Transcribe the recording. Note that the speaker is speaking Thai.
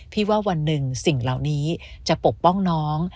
ว่าวันหนึ่งสิ่งเหล่านี้จะปกป้องน้อง